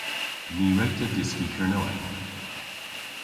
Ny wre'ta dyski Kernewek.